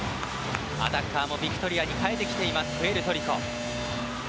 アタッカーもビクトリアに代えてきたプエルトリコ。